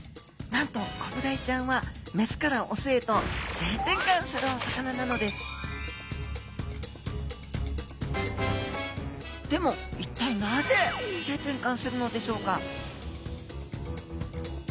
なんとコブダイちゃんはメスからオスへと性転換するお魚なのですでも一体なぜ性転換するのでしょうか？